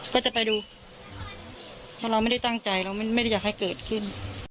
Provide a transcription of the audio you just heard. ก็จะไปดูเพราะเราไม่ได้ตั้งใจเราไม่ได้อยากให้เกิดขึ้น